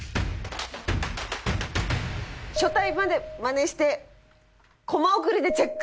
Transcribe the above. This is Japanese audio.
書体までマネしてコマ送りでチェック！